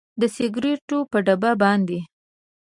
د سګریټو پر ډبه باندې